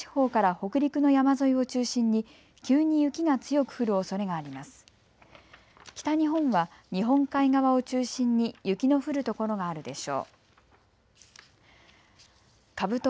北日本は日本海側を中心に雪の降る所があるでしょう。